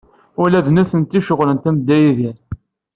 Ula d nitenti ceɣlent am Dda Yidir.